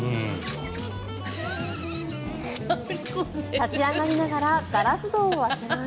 立ち上がりながらガラス戸を開けます。